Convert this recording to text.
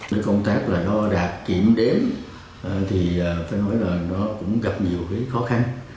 các công tác đo đạt kiểm đếm cũng gặp nhiều khó khăn